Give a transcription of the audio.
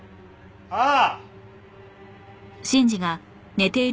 ああ！